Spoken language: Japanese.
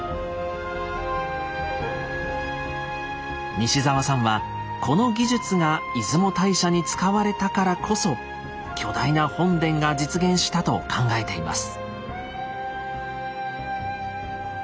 西澤さんはこの技術が出雲大社に使われたからこそ巨大な本殿が実現したと考えています。